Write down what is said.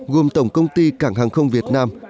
gồm tổng công ty cảng hàng không việt nam